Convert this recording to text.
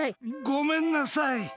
ごめんなさい。